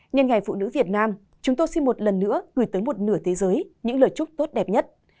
nhân ngày phụ nữ việt nam chúng tôi xin một lần nữa gửi tới một nửa thế giới những lời chúc tốt đẹp nhất